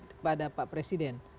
kepada pak presiden